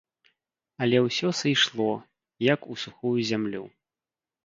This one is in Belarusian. Але ўсё сыйшло, як у сухую зямлю.